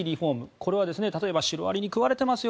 これは例えばシロアリに食われてますよ